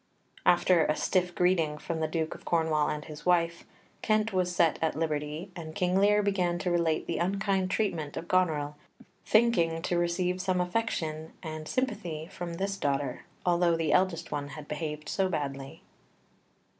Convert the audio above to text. After a stiff greeting from the Duke of Cornwall and his wife, Kent was set at liberty, and King Lear began to relate the unkind treatment of Goneril, thinking to receive some affection and sympathy from this daughter, although the eldest one had behaved so badly.